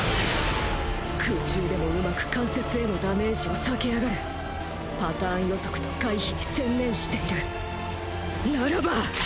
空中でも上手く関節へのダメージを避けやがるパターン予測と回避に専念しているならば！